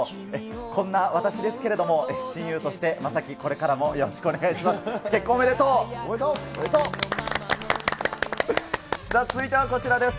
こんな私ですけれども、親友として、将暉、これからもよろしくお願いします。